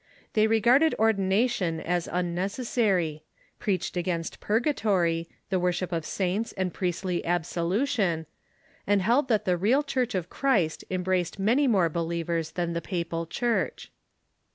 They regarded ordination as unneces sary; i^reached against purgatory, the worship of saints, and priestly absolution ; and held that the real Church of Christ embraced many more believers than the j^apal Church.